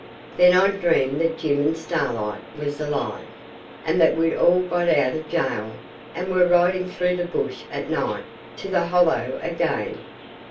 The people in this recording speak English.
Then I'd dream that Jim and Starlight was alive, and that we'd all got out of gaol and were riding through the bush at night to the Hollow again.